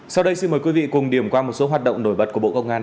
sau đây xin mời quý vị cùng điểm qua một số hoạt động nổi bật của bộ công an